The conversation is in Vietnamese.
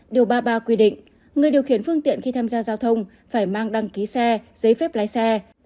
điều ba mươi ba quy định người điều khiển phương tiện khi tham gia giao thông phải mang đăng ký xe giấy phép lái xe